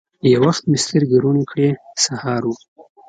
یو وخت مې سترګي روڼې کړې ! سهار و